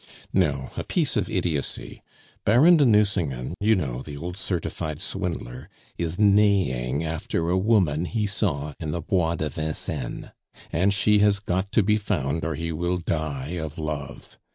"No, a piece of idiocy. Baron de Nucingen, you know, the old certified swindler, is neighing after a woman he saw in the Bois de Vincennes, and she has got to be found, or he will die of love.